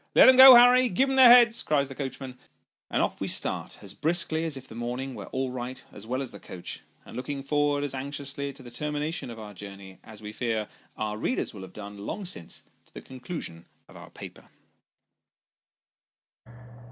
" Let 'em go, Harry, give 'em their heads," cries the coachman and off we start as briskly as if the morning were " all right," as well as the coach : and looking forward as anxiously to the termination of our journey, as we fear our readers will have done, long since, to the conclusion of our paper.